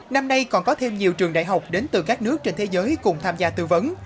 năm nay còn có thêm nhiều trường đại học đến từ các nước trên thế giới cùng tham gia tư vấn